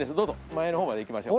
前の方まで行きましょう。